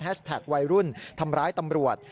แฮชแท็กวัยรุ่นทำร้ายตำรวจ